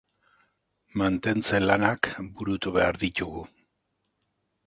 Mantentze-lanak burutu behar ditugu.